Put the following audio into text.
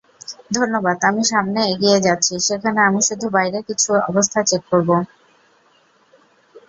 ধন্যবাদ আমি সামনে এগিয়ে যাচ্ছি সেখানে আমি শুধু বাইরে কিছু অবস্থা চেক করবো।